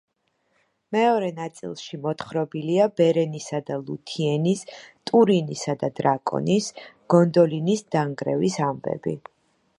მეორე ნაწილში მოთხრობილია ბერენისა და ლუთიენის, ტურინისა და დრაკონის, გონდოლინის დანგრევის ამბები.